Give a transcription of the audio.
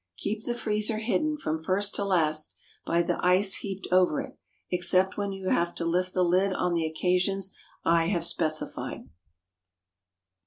Keep the freezer hidden, from first to last, by the ice heaped over it, except when you have to lift the lid on the occasions I have specified.